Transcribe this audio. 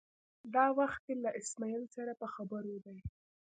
دا وخت دی له اسمعیل سره په خبرو دی.